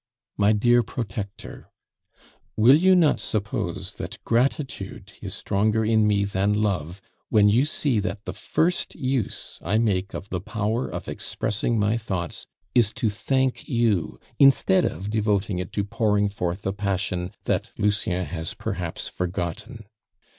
"MY DEAR PROTECTOR, Will you not suppose that gratitude is stronger in me than love, when you see that the first use I make of the power of expressing my thoughts is to thank you, instead of devoting it to pouring forth a passion that Lucien has perhaps forgotten.